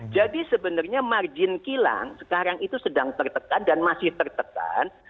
jadi sebenarnya margin kilang sekarang itu sedang tertekan dan masih tertekan